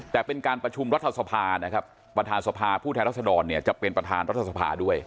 แต่เป็นการประชุมรัฐสภานะครับประธานสภาผู้แทนรัศดรเนี่ยจะเป็นประธานรัฐสภาด้วย